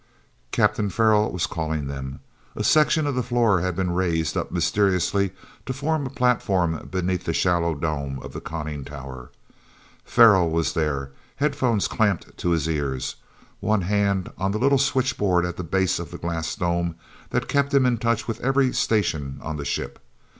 Captain Farrell was calling them. A section of the floor had been raised up mysteriously to form a platform beneath the shallow dome of the conning tower. Farrell was there, headphones clamped to his ears, one hand on the little switchboard at the base of the glass dome that kept him in touch with every station on the ship.